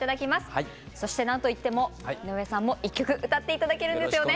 そして何と言っても井上さんも１曲歌って頂けるんですよね？